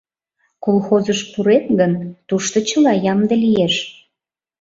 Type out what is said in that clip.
Колхозыш пурет гын, тушто чыла ямде лиеш...